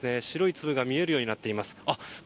白い粒が見えるようになっています。